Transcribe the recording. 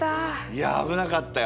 いや危なかったよ。